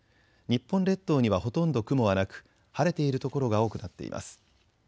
日本列島にはほとんど雲はなく晴れている所が多くなっています。